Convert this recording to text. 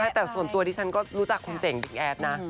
ใช่แต่ส่วนตัวที่ฉันก็รู้จักคนเจ๋งดีแอดนะ